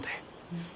うん。